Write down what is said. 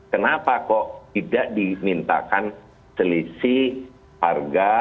kenapa kok tidak dimintakan selisih harga